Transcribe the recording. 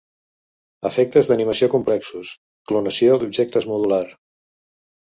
Efectes d'animació complexos, clonació d'objectes modular.